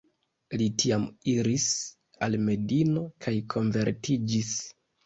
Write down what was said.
Li tiam iris al Medino kaj konvertiĝis..